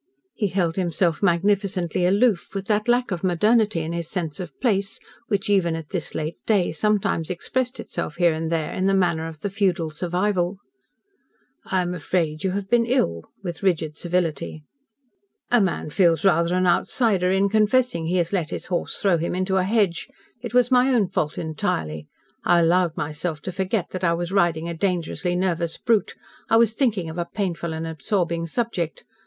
He held himself magnificently aloof, with that lack of modernity in his sense of place which, even at this late day, sometimes expressed itself here and there in the manner of the feudal survival. "I am afraid you have been ill," with rigid civility. "A man feels rather an outsider in confessing he has let his horse throw him into a hedge. It was my own fault entirely. I allowed myself to forget that I was riding a dangerously nervous brute. I was thinking of a painful and absorbing subject.